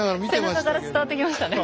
背中から伝わってきましたね。